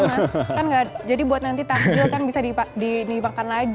kan enggak jadi buat nanti tadjil kan bisa dimakan lagi